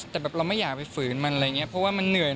แต่แบบเราไม่อยากไปฝืนมันอะไรอย่างนี้เพราะว่ามันเหนื่อย